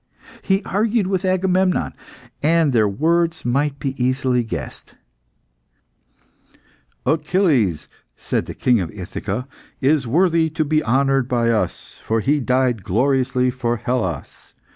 He argued with Agamemnon, and their words might be easily guessed "Achilles," said the King of Ithaca, "is worthy to be honoured by us, for he died gloriously for Hellas.